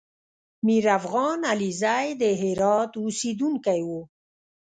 میرافغان علیزی د هرات اوسېدونکی و